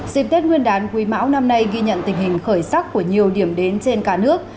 dịp tết nguyên đán quý mão năm nay ghi nhận tình hình khởi sắc của nhiều điểm đến trên cả nước